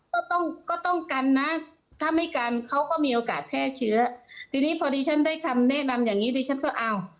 ก็ต้องก็ต้องกันนะถ้าไม่กันเขาก็มีโอกาสแพร่เชื้อทีนี้พอดีฉันได้คำแนะนำอย่างนี้ดิฉันก็อ้าว